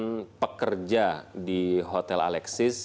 dengan pekerja di hotel alexis